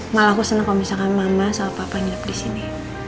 malah aku seneng kalau misalkan mama sama papa yang hidup disini